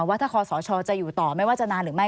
ว่าถ้าคอสชจะอยู่ต่อไม่ว่าจะนานหรือไม่